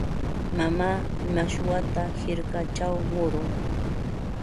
Mamaa mashwata hirkachaw murun.